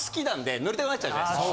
乗りたくなっちゃうじゃないですか。